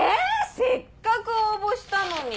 せっかく応募したのに。